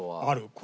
ある。